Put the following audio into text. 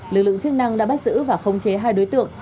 lực lượng chức năng đã bắt giữ và khống chế hai đối tượng